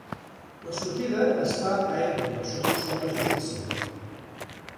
La sortida es fa a Embrun sota un sol de justícia.